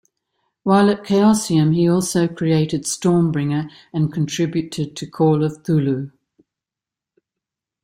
While at Chaosium he also created "Stormbringer", and contributed to "Call of Cthulhu".